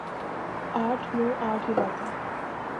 آٹھ منہ آٹھ ہی باتیں ۔